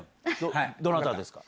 どなたですか？